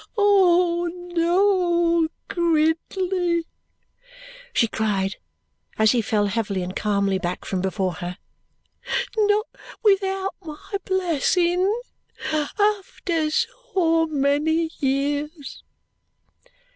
"Oh, no, Gridley!" she cried as he fell heavily and calmly back from before her. "Not without my blessing. After so many years!"